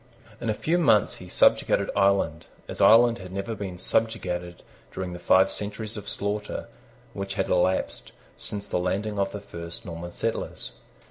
In a few months he subjugated Ireland, as Ireland had never been subjugated during the five centuries of slaughter which had elapsed since the landing of the first Norman settlers.